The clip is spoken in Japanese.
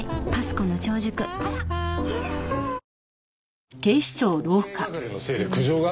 特命係のせいで苦情が？